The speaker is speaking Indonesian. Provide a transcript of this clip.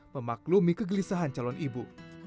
memaklumi kegelisahan calon ibu